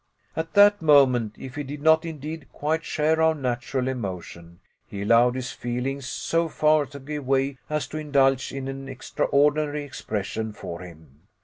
At that moment, if he did not indeed quite share our natural emotion, he allowed his feelings so far to give way as to indulge in an extraordinary expression for him.